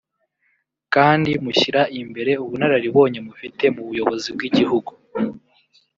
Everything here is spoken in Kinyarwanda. kandi mushyira imbere ubunararibonye mufite mu buyobozi bw’igihughu